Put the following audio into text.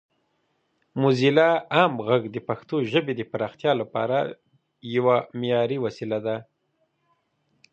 موزیلا عام غږ د پښتو ژبې د پراختیا لپاره یوه معیاري وسیله ده.